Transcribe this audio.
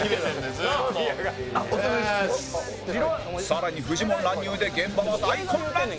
さらにフジモン乱入で現場は大混乱！